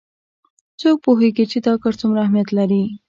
څوک پوهیږي چې دا کار څومره اهمیت لري